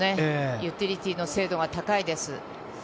ユーティリティーの精度は高いです。